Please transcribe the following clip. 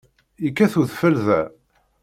Yekkat-d udfel da?